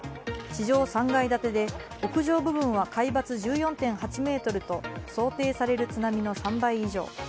地上３階建てで屋上部分は海抜１４．８ｍと想定される津波の３倍以上。